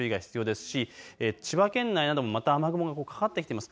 千葉県内などもまた雨雲かかってきています。